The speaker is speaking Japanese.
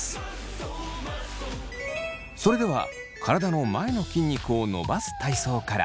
それでは体の前の筋肉を伸ばす体操から。